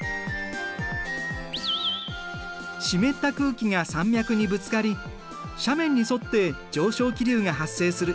湿った空気が山脈にぶつかり斜面に沿って上昇気流が発生する。